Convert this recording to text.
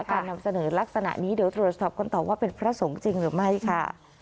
การนำเสนอลักษณะนี้เดี๋ยวตรวจสอบกันต่อว่าเป็นพระสงฆ์จริงหรือไม่ค่ะ